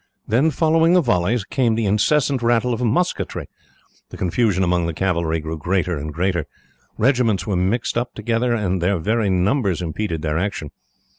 Then, following the volleys, came the incessant rattle of musketry. The confusion among the cavalry grew greater and greater. Regiments were mixed up together, and their very numbers impeded their action.